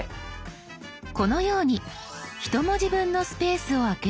このように１文字分のスペースを空ける場合。